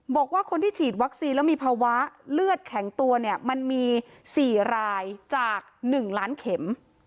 บอกว่าคนที่ฉีดวัคซีนแล้วมีภาวะเลือดแข็งตัวเนี่ยมันมี๔รายจาก๑ล้านเข็ม